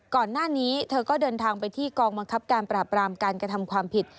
ก่อนหน้านี้เธอก็เดินทางไปที่กองบังคับการปราบรามการกระทำความผิด